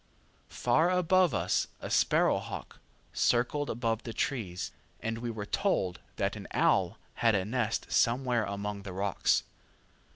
Far above us a sparrow hawk circled above the trees, and we were told that an owl had a nest somewhere among the rocks.